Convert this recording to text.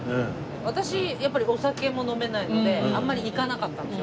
私やっぱりお酒も飲めないのであんまり行かなかったんですよ。